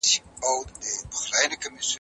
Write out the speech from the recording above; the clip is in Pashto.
ځینې هېوادونه تر نورو ډېر پرمختللي دي.